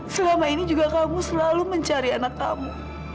selama ini juga kamu selalu mencari anak kamu